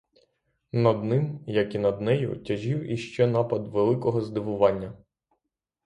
Над ним, як і над нею, тяжів іще напад великого здивування.